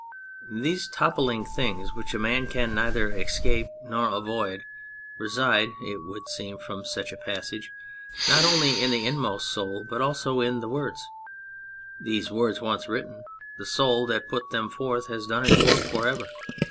These toppling things which a man can neither escape nor avoid reside (it would seem from such a passage) not only in the inmost soul but also in Words. These words once written, the soul that put them forth has done its work for ever.